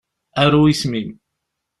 Aru isem-im.